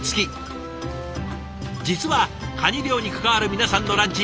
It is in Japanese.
実はカニ漁に関わる皆さんのランチ